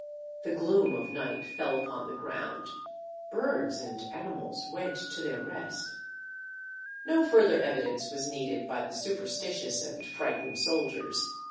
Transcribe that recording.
The gloom of night fell upon the ground. Birds and animals went to their rest. No further evidence was needed by the superstitious and frightened soldiers.